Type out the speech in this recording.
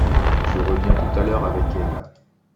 Je reviens tout à l'heure avec elle.